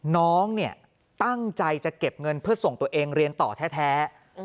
น้องเนี่ยตั้งใจจะเก็บเงินเพื่อส่งตัวเองเรียนต่อแท้